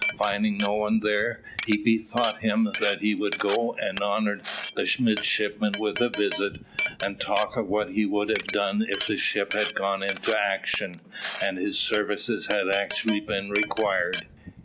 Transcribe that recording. Finding no one there, he bethought him that he would go and honour the midshipmen with a visit, and talk of what he would have done if the ship had gone into action, and his services had actually been required.